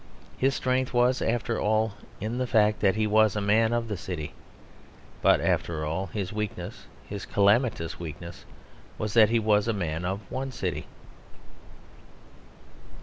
His strength was, after all, in the fact that he was a man of the city. But, after all, his weakness, his calamitous weakness, was that he was a man of one city.